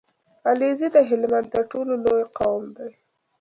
عليزی د هلمند تر ټولو لوی قوم دی